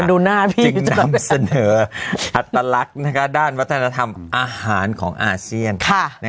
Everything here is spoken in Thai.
จึงนำเสนออัตลักษณ์ด้านวัฒนธรรมอาหารของอาเชียน